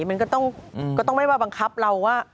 มันก็ต้องไม่ว่าบังคับเราว่า